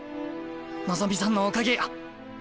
望さんのおかげや。